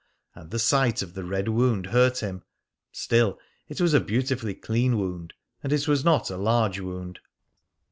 And the sight of the red wound hurt him. Still, it was a beautifully clean wound, and it was not a large wound.